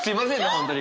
本当に。